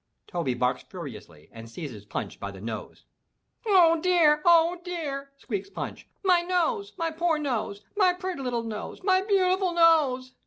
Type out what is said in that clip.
" Toby barks furiously and seizes Punch by the nose. '*0h dear! Oh dear! " squeaks Punch, '*My nose! my poor nose! my pretty little nose, my beautiful nose!